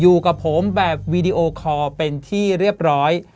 อยู่กับผมแบบวีดีโอคอร์เป็นที่เรียบร้อย